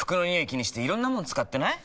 気にしていろんなもの使ってない？